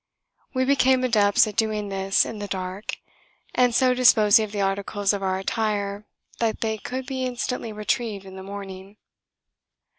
We became adepts at doing this in the dark and so disposing of the articles of our attire that they could be instantly retrieved in the morning.